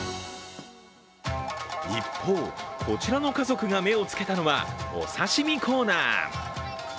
一方、こちらの家族が目をつけたのはお刺身コーナー。